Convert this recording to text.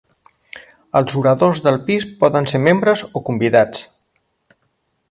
Els oradors del pis poden ser membres o convidats.